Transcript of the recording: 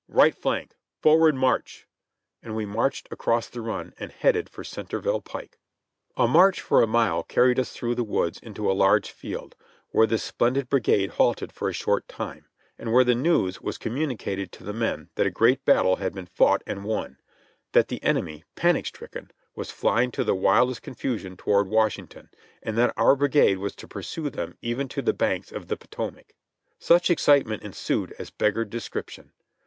Right flank! Forward, march!'' And wc marched across the run, and headed for Centerville pike. A march for a mile carried us through the woods into a large field, where the splendid brigade halted for a short time, and where the news was communicated to the men that a great bat tle had been fought and won; that the enemy, panic stricken, was flying in the wildest confusion toward Washington ; and that our brigade was to pursue them even to the banks of the Potomac. Such excitement ensued as beggared description.